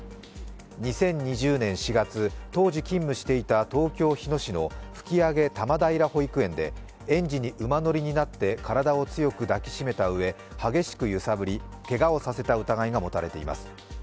２０２０年４月、当時勤務していた東京・日野市の吹上多摩平保育園で園児に馬乗りになって体を強く抱きしめたうえ、激しく揺さぶり、けがをさせた疑いが持たれています。